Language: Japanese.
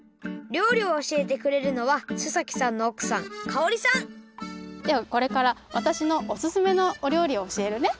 りょうりをおしえてくれるのは須さんのおくさん香織さんではこれからわたしのおすすめのおりょうりをおしえるね。